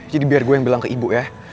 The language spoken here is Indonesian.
jadi biar gue yang bilang ke ibu ya